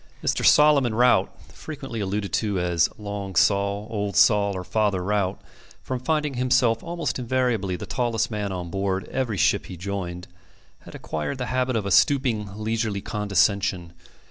Mr. Solomon Rout (frequently alluded to as Long Sol, Old Sol, or Father Rout), from finding himself almost invariably the tallest man on board every ship he joined, had acquired the habit of a stooping, leisurely condescension.